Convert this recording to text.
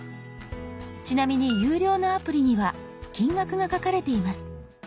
ちなみに有料のアプリには金額が書かれています。